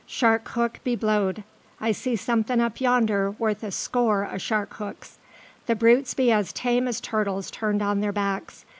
"Shark hook be blowed! I see somethin' up yonder worth a score o' shark hooks. The brutes be as tame as turtles turned on their backs.